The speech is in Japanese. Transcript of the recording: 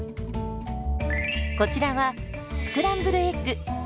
こちらはスクランブルエッグ。